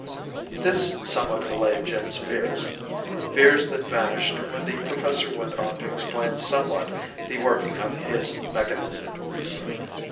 This somewhat allayed Jim's fears fears that vanished when the professor went on to explain somewhat the working of his mechanism.